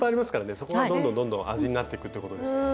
そこはどんどんどんどん味になっていくってことですもんね。